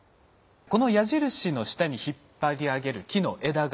この矢印の下に引っ張り上げる木の枝がついています。